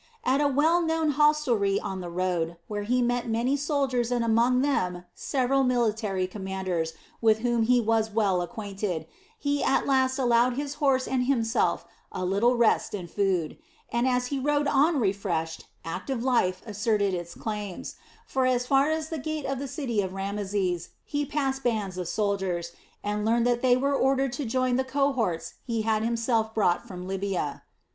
At a well known hostelry on the road, where he met many soldiers and among them several military commanders with whom he was well acquainted, he at last allowed his horse and himself a little rest and food; and as he rode on refreshed active life asserted its claims; for as far as the gate of the city of Rameses he passed bands of soldiers, and learned that they were ordered to join the cohorts he had himself brought from Libya.